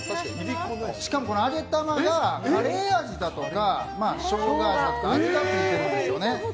しかも、揚げ玉がカレー味だとかショウガ味だとか味がついているんですよね。